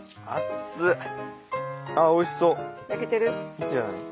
いいんじゃない？